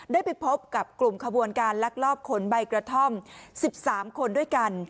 ได้ไปพบกับกลุ่มขบวนการลักลอบขนใบกระท่อม๑๓คนด้วยกัน